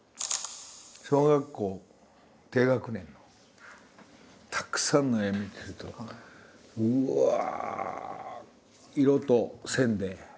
小学校低学年のたくさんの絵見てるとうわ色と線で。